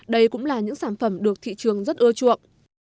đây cũng là những sản phẩm được thị trường rất ưa chuộng